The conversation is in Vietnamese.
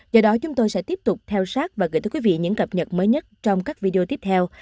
do đó chúng tôi sẽ tiếp tục theo sát và gửi tới quý vị những cập nhật mới nhất trong các video tiếp theo